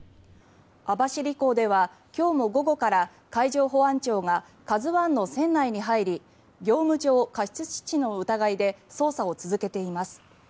網走港では今日も午後から海上保安庁が「ＫＡＺＵ１」の船内に入り業務上過失致死の疑いで捜査を続けています。